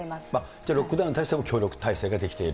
じゃあロックダウンに対しても協力体制ができている？